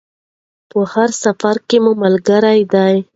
په هر سفر کې مو ملګرې ده.